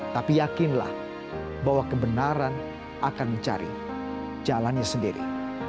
tapi yakinlah bahwa kebenaran akan mencari jalannya sendiri